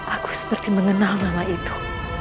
aku seperti mengenal nama itu